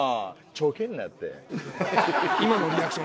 ちょけんなって。